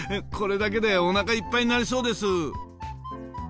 これだけでおなかいっぱいになりそうです。